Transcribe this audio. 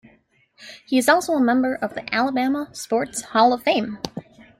He is also a member of the Alabama Sports Hall of Fame.